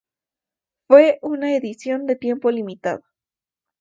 Fue una edición de tiempo limitado.